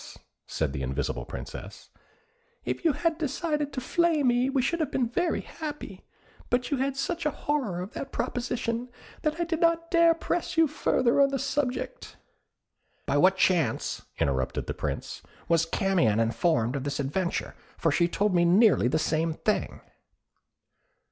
said the invisible Princess, "if you had decided to flay me we should have been very happy; but you had such a horror of that proposition, that I did not dare press you further on the subject." "By what chance," interrupted the Prince, "was Camion informed of this adventure, for she told me nearly the same thing?"